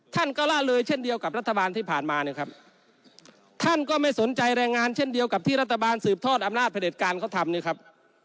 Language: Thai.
ท่านก็ล่าเลยเช่นเดียวกับรัฐบาลที่ผ่านมาเนี่ยครับท่านก็ไม่สนใจแรงงานเช่นเดียวกับที่รัฐบาลสืบทอดอำนาจพระเด็จการเขาทำเนี่ยครับ